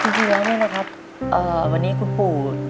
จริงจริงแล้วนี่เลยครับเอ่อวันนี้คุณปู่